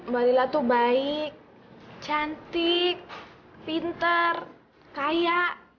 mbak lila tuh baik cantik pinter kaya